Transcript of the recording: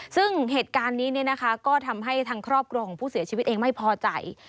ซึ่งเหตุการณ์นี้ก็ทำให้ทางครอบครัวของผู้เสียชีวิตเองไม่พอใจ